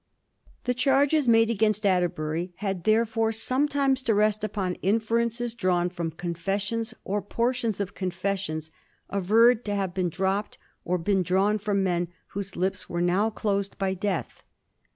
The charges made against Atterbury had there fore sometimes to rest upon inferences drawn from confessions, or portions of confessions, averred to have dropped or been drawn from men whose lips were now closed by death.